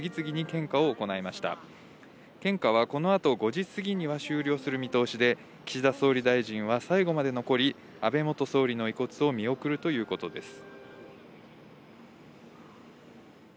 献花はこのあと５時過ぎには終了する見通しで、岸田総理大臣は最後まで残り、安倍元総理の遺骨を見送るということです。